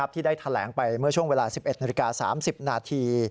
ที่ได้แถลงไปเมื่อช่วงเวลา๑๑นาฬิกา๓๐นาที